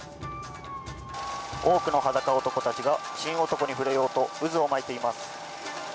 多くの裸男たちが、神男に触れようと、渦を巻いています。